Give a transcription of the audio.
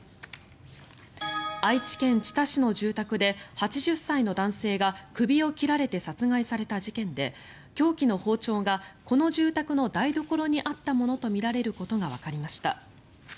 愛知県知多市の住宅で８０歳の男性が首を切られて殺害された事件で凶器の包丁がこの住宅の台所にあったものとみられることがわかりました。